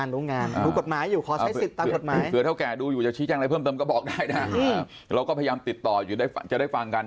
เราก็พยายามติดต่ออยู่ให้ได้ฟังกัน